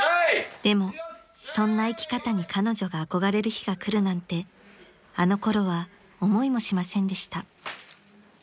［でもそんな生き方に彼女が憧れる日が来るなんてあのころは思いもしませんでした］